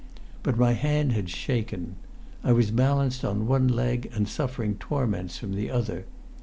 But my hand had shaken. I was balanced on one leg and suffering torments from the other.